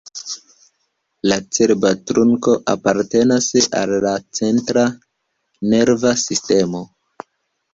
La cerba trunko apartenas al la centra nerva sistemo.